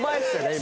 今。